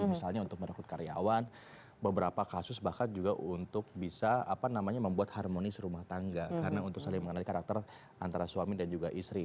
misalnya untuk merekrut karyawan beberapa kasus bahkan juga untuk bisa membuat harmonis rumah tangga karena untuk saling mengenali karakter antara suami dan juga istri